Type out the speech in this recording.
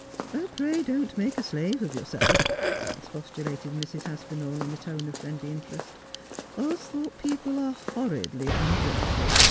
' Pray don't make a slave of yourself,' expostulated Mrs. Aspinall, in a tone of friendly interest. ' Austhorpe people are horridly ungrateful.